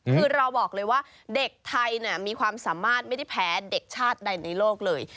คือเราบอกเลยว่าเด็กไทยมีความสามารถไม่ได้แพ้เด็กชาติใดในโลกเลย